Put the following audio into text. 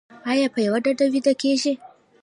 ایا په یوه ډډه ویده کیږئ؟